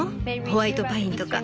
ホワイトパインとか。